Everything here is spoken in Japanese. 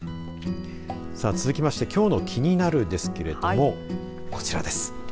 続きまして、きょうのキニナル！ですが、こちらです。